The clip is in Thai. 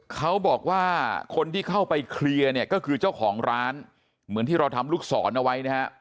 เขาบอกว่าคนที่เข้าไปเคลียร์เนี่ยก็คือเจ้าของร้านเหมือนที่เราทำลูกศรเอาไว้นะฮะ